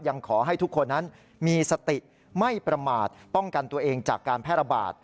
ยังขอให้ทุกคนนั้นมีสติไม่ประมาทป้องกันตัวเองจากการแพร่ระบาด